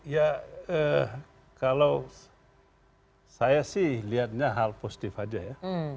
ya kalau saya sih lihatnya hal positif aja ya